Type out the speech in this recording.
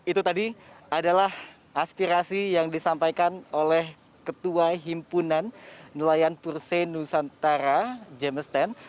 itu tadi adalah aspirasi yang disampaikan oleh ketua himpunan nelayan purse nusantara james tan